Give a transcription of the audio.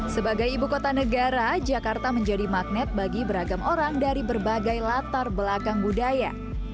sebagai ibu kota negara jakarta menjadi magnet bagi beragam orang dari berbagai latar belakang budaya